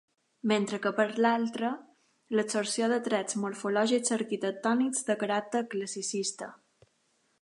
Mentre que per l'altra, l'absorció de trets morfològics arquitectònics de caràcter classicista.